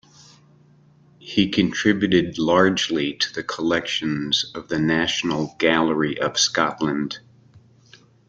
He contributed largely to the collections of the National Gallery of Scotland.